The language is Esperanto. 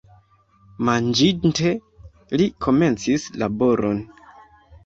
Manĝinte, li komencis laboron.